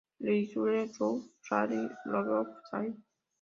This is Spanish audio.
Leisure Suit Larry: Love for Sail!